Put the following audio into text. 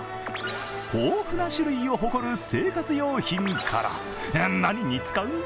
豊富な種類を誇る生活用品から何に使うんだ？